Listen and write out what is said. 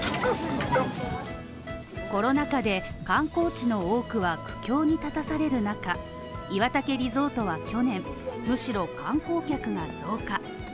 コロナ禍で観光地の多くは苦境に立たされる中岩岳リゾートは去年、むしろ観光客が増加。